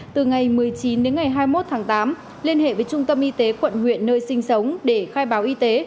từ ngày một mươi chín đến ngày hai mươi một tháng tám liên hệ với trung tâm y tế quận huyện nơi sinh sống để khai báo y tế